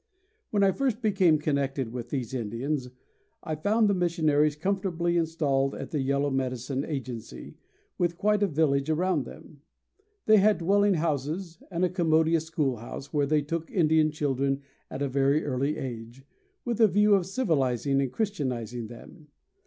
When I first became connected with these Indians I found the missionaries comfortably installed at the Yellow Medicine agency, with quite a village around them. They had dwelling houses, and a commodious schoolhouse, where they took Indian children at a very early age, with a view of civilizing and Christianizing them.